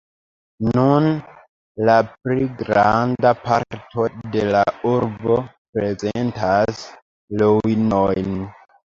Nun la pli granda parto de la urbo prezentas ruinojn.